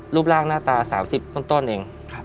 รูปร่างหน้าตา๓๐ต้นเอง